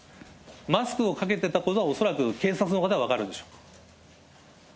マスクをかけてたことは、恐らく警察の方は分かるでしょう。